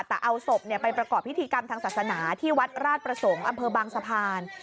แต่เอาศพไปประกอบพิธีกรรมทางศาสนาที่วัดราชประสงค์อำเภอบางสะพาน